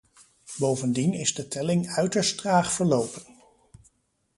Bovendien is de telling uiterst traag verlopen.